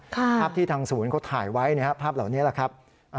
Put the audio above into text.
ภาพที่ทางศูนย์เขาถ่ายไว้นะครับภาพเหล่านี้แหละครับ